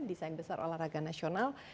desain besar olahraga nasional